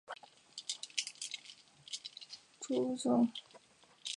此剧曾于香港亚视国际台播出。